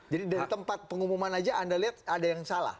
jadi dari tempat pengumuman aja anda lihat ada yang salah